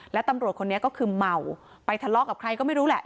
และตำรวจคนนี้ก็คือเมาไปทะเลาะกับใครก็ไม่รู้แหละ